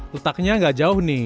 letaknya nggak jauh nih